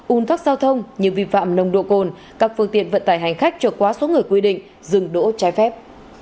un thắc giao thông như vi phạm nồng độ cồn các phương tiện vận tải hành khách trở quá số người quy định dừng đỗ trái phép